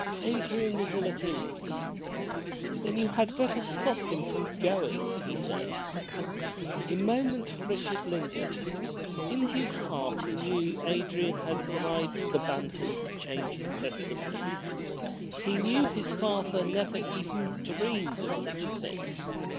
Adrian was ill at ease. Then you had better stop him from going," he said. A moment Richard lingered. In his heart he knew that Adrian had bribed the Bantam to change his testimony. He knew his father never even dreamed of such a thing.